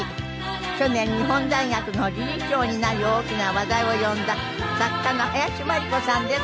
去年日本大学の理事長になり大きな話題を呼んだ作家の林真理子さんです。